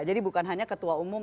bukan hanya ketua umum